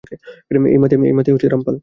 এই মতিয়া রামপাল।